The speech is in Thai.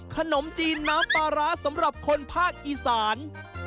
ขนมจีนน้ำปลาร้าสำหรับคนภาคอีสาน